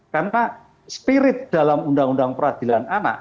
karena spirit dalam undang undang peradilan anak